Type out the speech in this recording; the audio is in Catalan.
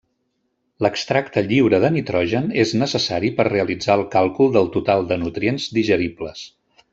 L'extracte lliure de nitrogen és necessari per realitzar el càlcul del total de nutrients digeribles.